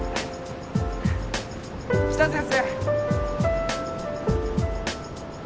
北先生